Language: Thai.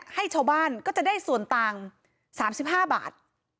ให้ชาวบ้านก็จะได้ส่วนต่าง๓๕บาท